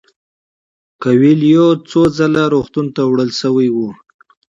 کویلیو څو ځله روغتون ته وړل شوی و.